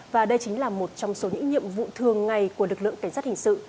và đây chính là một trong số những nhiệm vụ thường ngày của lực lượng cảnh sát hình sự